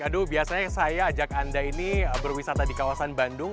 aduh biasanya saya ajak anda ini berwisata di kawasan bandung